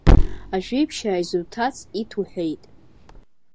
Ажәеиԥшьаа изуҭац иҭ уҳәеит.